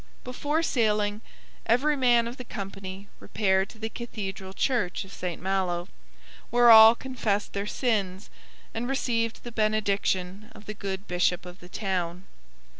Before sailing, every man of the company repaired to the Cathedral Church of St Malo, where all confessed their sins and received the benediction of the good bishop of the town.